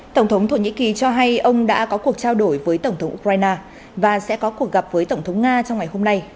tổng thống thổ nhĩ kỳ cho hay ông đã có cuộc trao đổi với tổng thống ukraine và sẽ có cuộc gặp với tổng thống nga trong ngày hôm nay